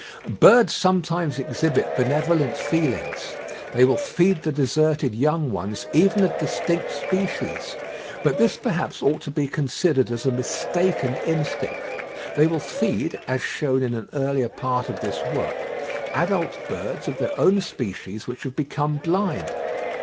Birds sometimes exhibit benevolent feelings; they will feed the deserted young ones even of distinct species, but this perhaps ought to be considered as a mistaken instinct. They will feed, as shewn in an earlier part of this work, adult birds of their own species which have become blind.